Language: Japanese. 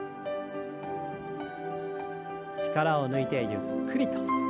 力を抜いてゆっくりと。